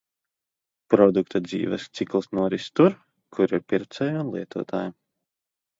Produkta dzīves cikls noris tur, kur ir pircēji un lietotāji.